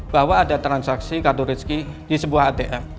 bahwa ada transaksi kartu rezeki di sebuah atm